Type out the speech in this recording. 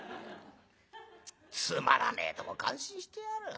「つまらねえとこ感心してやがる。